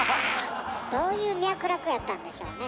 どういう脈絡やったんでしょうね。